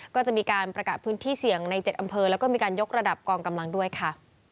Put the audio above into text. ก็จะมีการประกาศพื้นที่เสี่ยงใน๗อำเภอแล้วก็มีการยกระดับกองกำลังด้วยค่ะ